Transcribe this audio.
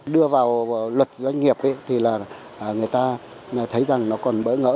đưa vào luật doanh nghiệp thì là người ta thấy rằng nó còn bỡ ngỡ